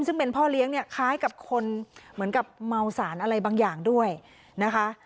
ซึ่งเป็นพ่อเลี้ยงเนี่ยคล้ายกับคนเหมือนกับเมาสารอะไรบางอย่างด้วยนะคะ